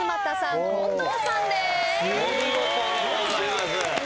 お見事でございます。